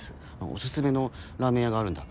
お薦めのラーメン屋があるんだ。